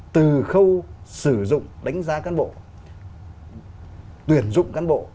từ khâu sử dụng đánh giá cán bộ tuyển dụng cán bộ